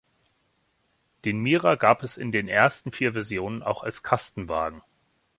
Den Mira gab es in den ersten vier Versionen auch als Kastenwagen.